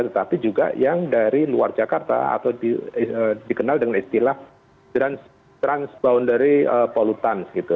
tetapi juga yang dari luar jakarta atau dikenal dengan istilah transboundary polutance gitu